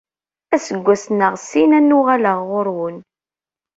Aseggas neɣ sin ad n-uɣaleɣ ɣur-wen.